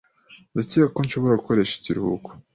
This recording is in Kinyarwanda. Ndakeka ko nshobora gukoresha ikiruhuko.